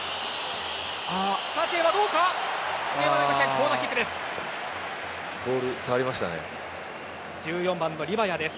コーナーキックです。